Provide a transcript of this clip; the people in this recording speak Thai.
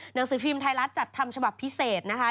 หนังสือพิมพ์ไทยรัฐจัดทำฉบับพิเศษนะคะ